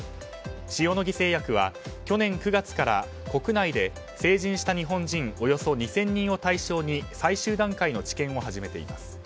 塩野義製薬は去年９月から国内で成人した日本人およそ２０００人を対象に最終段階の治験を始めています。